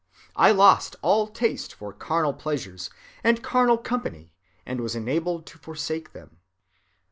I lost all taste for carnal pleasures, and carnal company, and was enabled to forsake them."